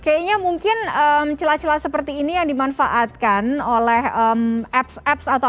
kayaknya mungkin celah celah seperti ini yang dimanfaatkan oleh apps apps atau